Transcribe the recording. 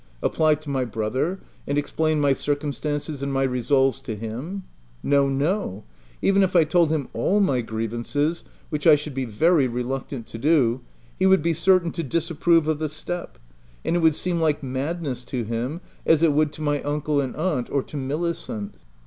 Apply to my brother, and explain my circumstances and my resolves to him ? No, no ; even if I told him all my grievances, which I should be very reluctant to do, he would be certain to disapprove of the step : it would seem like madness to him, as it would to my uncle and aunt, or to Milicent.